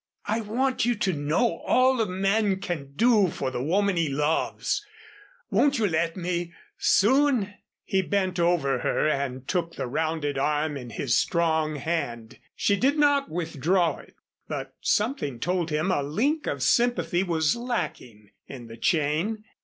I want you to know all a man can do for the woman he loves. Won't you let me? Soon?" He bent over her and took the rounded arm in his strong hand. She did not withdraw it, but something told him a link of sympathy was lacking in the chain.